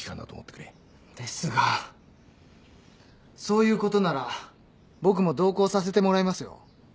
ですがそういうことなら僕も同行させてもらいますよ。